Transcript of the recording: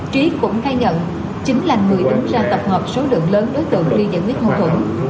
trí cũng khai nhận chính là người đứng ra tập hợp số lượng lớn đối tượng đi giải quyết mâu thuẫn